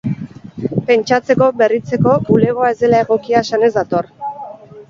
Pentsatzeko, berritzeko, bulegoa ez dela egokia esanez dator.